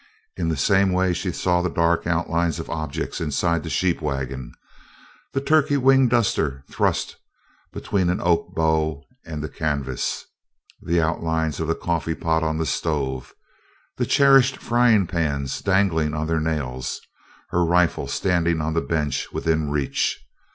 In the same way she saw the dark outlines of objects inside the sheep wagon the turkey wing duster thrust between an oak bow and the canvas, the outline of the coffee pot on the stove, the cherished frying pans dangling on their nails, her rifle standing on the bench within reach.